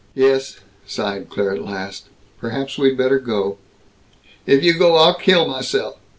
"Yes," sighed Claire at last, "perhaps we'd better go." "If you go, I'll kill myself!